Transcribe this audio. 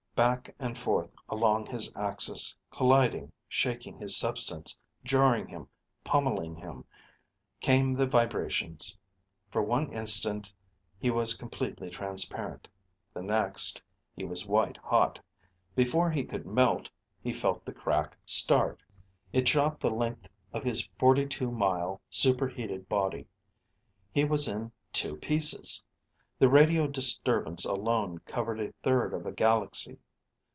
Back and forth along his axis, colliding, shaking his substance, jarring him, pommeling him, came the vibrations. For one instant he was completely transparent. The next, he was white hot. Before he could melt, he felt the crack start. It shot the length of his forty two mile, super heated body. He was in two pieces! The radio disturbance alone covered a third of a galaxy.